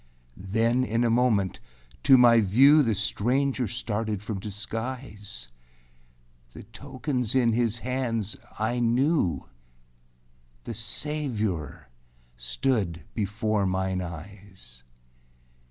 â 7. Then in a moment to my view The stranger started from disguise. The tokens in his hands I knew; The Savior stood before mine eyes.